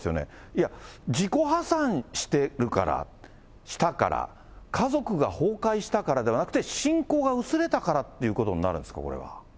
いや、自己破産してるから、したから、家族が崩壊したからではなくて、信仰が薄れたからということになるんですか、これは。